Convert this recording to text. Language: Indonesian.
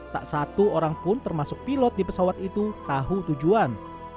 tak satu orang pun termasuk pilot di pesawat itu tahu tujuan